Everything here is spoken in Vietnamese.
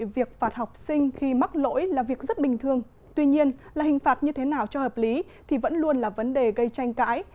việc phạt học sinh khi mắc lỗi là việc rất bình thường tuy nhiên là hình phạt như thế nào cho hợp lý thì vẫn luôn là vấn đề gây tranh cãi